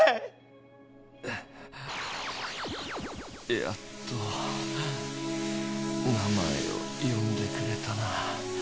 やっと名前をよんでくれたな。